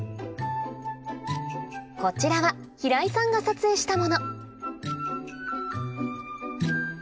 こちらは平井さんが撮影したもの